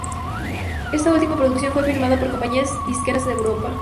Esta última producción fue firmada por compañías disqueras de Europa.